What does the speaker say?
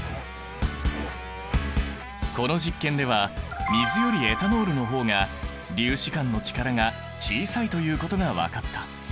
この実験では水よりエタノールの方が粒子間の力が小さいということが分かった。